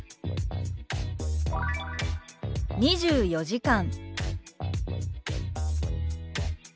「２４時間」。